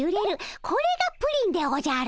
これがプリンでおじゃる。